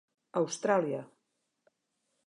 Austràlia.